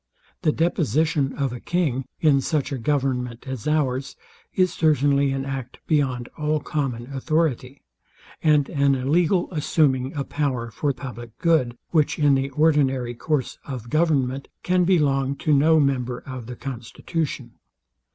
The deposition of a king, in such a government as ours, is certainly an act beyond all common authority, and an illegal assuming a power for public good, which, in the ordinary course of government, can belong to no member of the constitution.